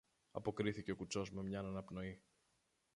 αποκρίθηκε ο κουτσός με μιαν αναπνοή.